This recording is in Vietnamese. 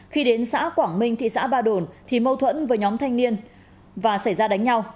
khi đến xã quảng minh thị xã ba đồn thì mâu thuẫn với nhóm thanh niên và xảy ra đánh nhau